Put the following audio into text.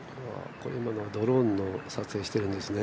今、ドローンの撮影してるんですね。